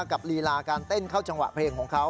ลีลาการเต้นเข้าจังหวะเพลงของเขา